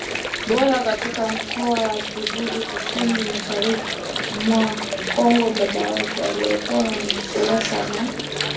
Bora katika mkoa wa Kivu Kusini mashariki mwa Kongo Baba yake alikuwa mwanasiasa na